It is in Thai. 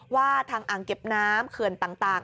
ว่าทางอ่างเก็บน้ำเขื่อนต่าง